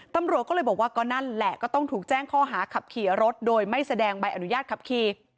ตำรวจก็เลยบอกว่าก็นั่นแหละก็ต้องถูกแจ้งข้อหาขับขี่รถโดยไม่แสดงใบอนุญาตขับขี่